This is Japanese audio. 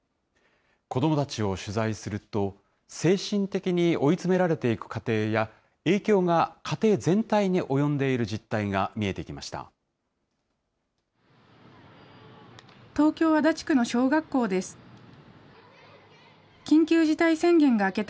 子どもたちを取材すると、精神的に追い詰められていく過程や、影響が家庭全体に及んでいる実態が見えてきました。